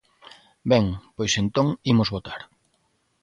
Ben, pois entón imos votar.